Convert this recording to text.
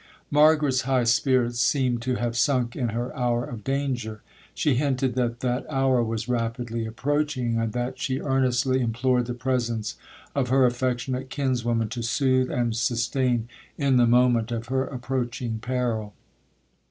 'Margaret's high spirits seemed to have sunk in her hour of danger. She hinted that that hour was rapidly approaching, and that she earnestly implored the presence of her affectionate kinswoman to soothe and sustain in the moment of her approaching peril.